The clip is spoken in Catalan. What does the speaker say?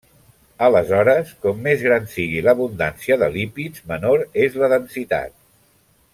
Aleshores, com més gran sigui l'abundància de lípids, menor és la densitat.